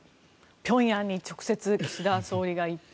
平壌に直接、岸田総理が行って。